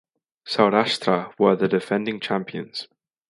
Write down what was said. Saurashtra were the defending champions.